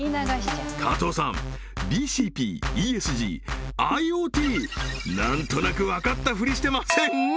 加藤さんＢＣＰＥＳＧＩｏＴ何となくわかったふりしてません？